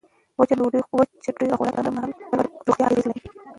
وچه ډوډۍ د خوراک پر مهال پر روغتیا اغېز لري.